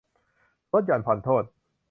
ลดหย่อนผ่อนโทษ